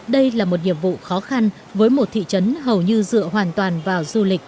đây là một nhiệm vụ khó khăn với một thị trấn hầu như dựa hoàn toàn vào du lịch